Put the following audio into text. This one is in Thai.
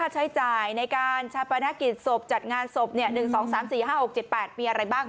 ใช้จ่ายในการชาปนกิจศพจัดงานศพ๑๒๓๔๕๖๗๘มีอะไรบ้าง